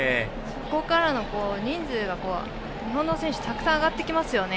そこから人数が日本の選手たくさんあがってきますよね。